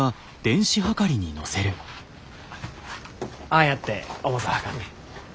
ああやって重さ量んねん。